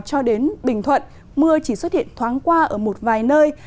trong khi đến bình thuận mưa chỉ xuất hiện thoáng qua ở một vài nơi